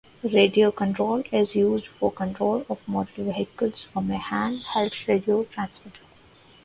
Radio control is used for control of model vehicles from a hand-held radio transmitter.